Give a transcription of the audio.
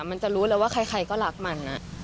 มันจะรู้แล้วว่าใครก็รักมัน